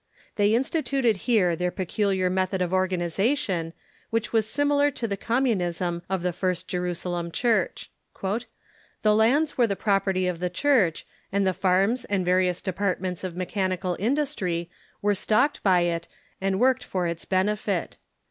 They instituted here their peculiar method of organization, which was similar to the comuiunisni of the first Jerusalem Church. "The lands were the pro])crty of the Church, and the farms and various departments of me chanical industry were stocked by it and worked for its bene fit.